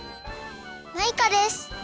マイカです！